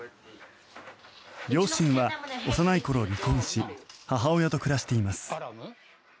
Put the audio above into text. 両親は幼い頃離婚し母親と暮らしています。